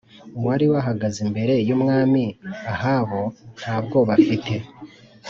uwari warahagaze imbere y’Umwami Ahabu nta bwoba afite